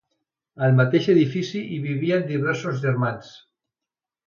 Al mateix edifici hi vivien diversos germans.